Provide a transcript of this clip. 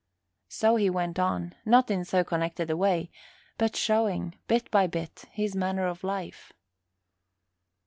So he went on, not in so connected a way, but showing, bit by bit, his manner of life.